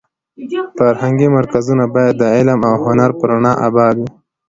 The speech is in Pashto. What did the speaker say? فرهنګي مرکزونه باید د علم او هنر په رڼا اباد وي.